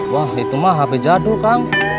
wah itu mah habis jadul kang